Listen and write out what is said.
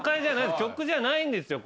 曲じゃないんですよ。